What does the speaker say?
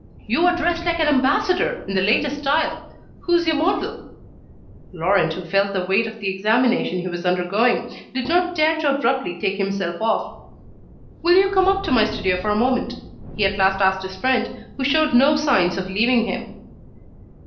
"You are dressed like an ambassador, in the latest style. Who's your model?" Laurent, who felt the weight of the examination he was undergoing, did not dare to abruptly take himself off. "Will you come up to my studio for a moment?" he at last asked his friend, who showed no signs of leaving him.